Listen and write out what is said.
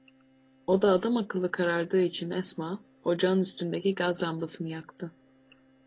Oda adamakıllı karardığı için Esma, ocağın üstündeki gaz lambasını yaktı.